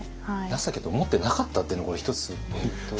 情けと思ってなかったっていうのこれ１つポイント。